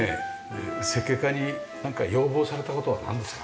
設計家になんか要望された事はなんですか？